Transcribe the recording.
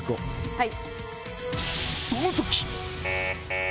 はい。